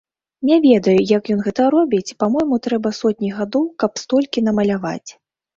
Не ведаю, як ён гэта робіць, па-мойму, трэба сотні гадоў, каб столькі намаляваць.